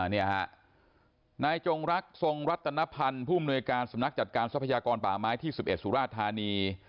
นี่ฮะนายจงรักทรงรัตนพันธ์ผู้มนวยการสำนักจัดการทรัพยากรป่าไม้ที่๑๑สุราธานี